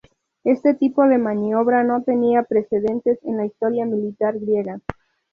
Este tipo de maniobra no tenía precedentes en la historia militar griega.